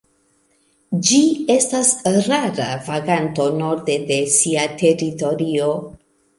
Ĝi estas rara vaganto norde de sia teritorio.